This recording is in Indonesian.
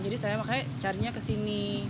jadi saya makanya carinya ke sini